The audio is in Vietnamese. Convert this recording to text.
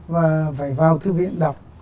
và phải vào thư viện đọc